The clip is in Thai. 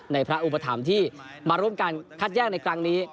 พระอุปถัมภ์ที่มาร่วมกันคัดแยกในครั้งนี้